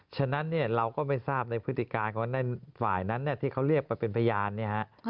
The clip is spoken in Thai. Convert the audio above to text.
ฉะนั้นเนี่ยเราก็ไม่ทราบในพฤติการของฝ่ายนั้นที่เขาเรียกไปเป็นพยานเนี่ยฮะ